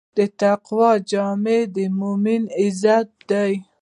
د تقوی جامه د مؤمن عزت دی.